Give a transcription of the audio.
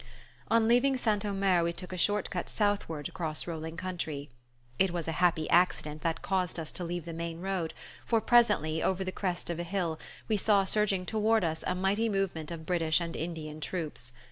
On leaving St. Omer we took a short cut southward across rolling country. It was a happy accident that caused us to leave the main road, for presently, over the crest of a hill, we saw surging toward us a mighty movement of British and Indian troops.